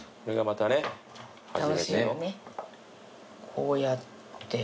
こうやって。